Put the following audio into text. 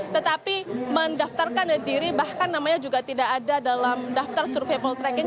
tetapi mendaftarkan diri bahkan namanya juga tidak ada dalam daftar survei poltreking